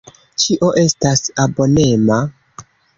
Ĉio estas abomena.